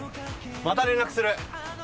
また連絡する！